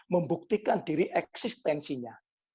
membuktikan diri eksistensinya